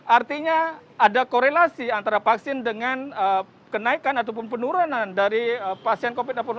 artinya ada korelasi antara vaksin dengan kenaikan ataupun penurunan dari pasien covid sembilan belas